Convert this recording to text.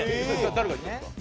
誰が言ったんですか？